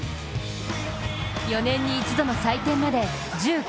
４年に一度の祭典まで１９日。